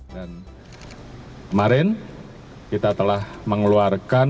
kemarin kita telah mengeluarkan